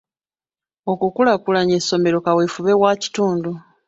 Okukulaakulanya essomero kaweefube wa kitundu.